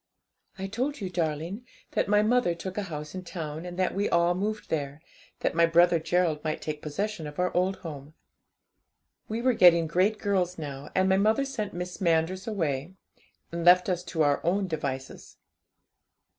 'I told you, darling, that my mother took a house in town, and that we all moved there, that my brother Gerald might take possession of our old home. We were getting great girls now, and my mother sent Miss Manders away, and left us to our own devices.